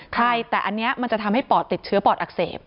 ใช่แต่อันนี้มันจะทำให้ปอดติดเชื้อปอดอักเสบ